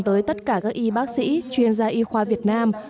tới tất cả các y bác sĩ chuyên gia y khoa việt nam